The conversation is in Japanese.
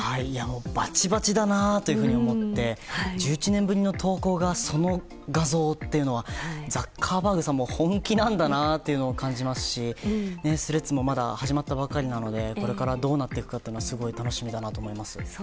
バチバチだなと思って１１年ぶりの投稿がその画像というのはザッカーバーグさんも本気なんだなと感じますしスレッズもまだ始まったばかりなのでこれからどうなるかすごい楽しみだなと思います。